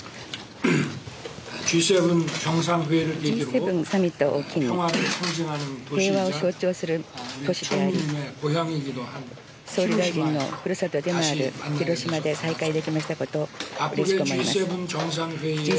Ｇ７サミットを機に、平和を象徴する都市であり、総理大臣のふるさとでもある広島で再会できましたこと、うれしく思います。